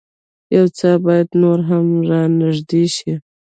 يو څه بايد نور هم را نېږدې شي.